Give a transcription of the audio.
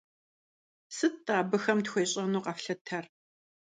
Сыт-тӀэ абыхэм тхуещӀэну къэфлъытэр?